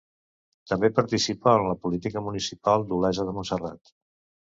També participa en la política municipal d'Olesa de Montserrat.